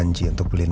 aduh udah mesti pak